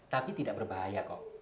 tapi tidak berbahaya kok